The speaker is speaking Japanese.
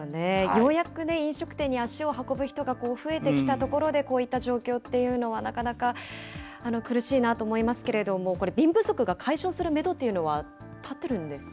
ようやくね、飲食店に足を運ぶ人が増えてきたところで、こういった状況っていうのは、なかなか苦しいなと思いますけれども、瓶不足が解消するメドというのは、立ってるんですか？